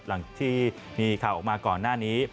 หลังที่มีข่าวออกมาก่อนหน้านี้